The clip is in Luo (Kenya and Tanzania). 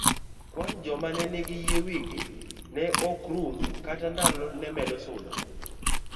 Kwan joma ne nigi yie wigi ne ok rum kata ndalo ne medo sudo.